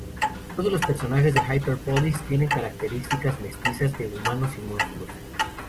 Todos los personajes de "Hyper Police" tienen características mestizas de humanos y monstruos.